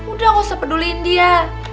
udah gak usah peduliin dia